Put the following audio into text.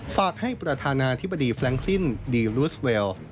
ฝากให้ประธานาธิบดีแฟรงซินดีรูสเวล